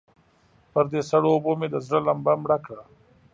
پر دې سړو اوبو مې د زړه لمبه مړه کړه.